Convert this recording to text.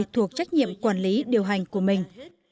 thuộc trách nhiệm quản lý điều hành của mình